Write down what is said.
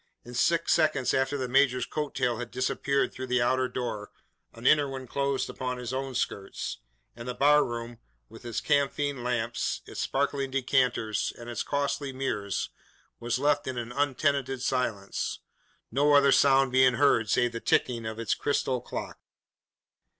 In six seconds after the major's coat tail had disappeared through the outer door, an inner one closed upon his own skirts; and the bar room, with its camphine lamps, its sparkling decanters, and its costly mirrors, was left in untenanted silence no other sound being heard save the ticking of its crystal clock.